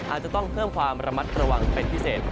อาจจะต้องเพิ่มความระมัดระวังเป็นพิเศษ